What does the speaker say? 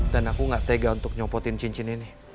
dan aku enggak tega untuk nyopotin cincin ini